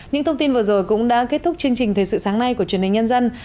những thông tin vừa rồi cũng đã kết thúc chương trình thời sự sáng nay của truyền hình nhân dân